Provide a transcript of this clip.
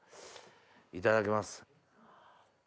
いただきます。